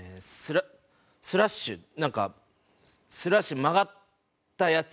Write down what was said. スラッシュなんかスラッシュ曲がったやつ。